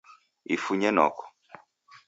Ifunye noko